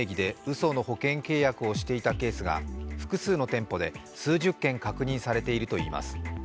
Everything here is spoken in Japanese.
その保険契約をしていたケースが複数の店舗で数十件確認されているといいます。